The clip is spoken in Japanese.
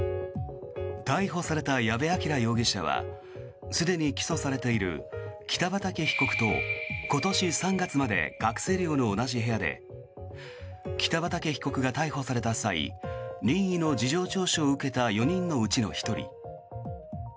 逮捕された矢部鑑羅容疑者はすでに起訴されている北畠被告と今年３月まで学生寮の同じ部屋で北畠被告が逮捕された際任意の事情聴取を受けた４人のうちの１人。